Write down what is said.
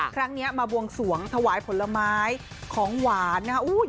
ครั้งนี้มาบวงศวงถวายผลไม้ของหวานอะคุณผู้ชม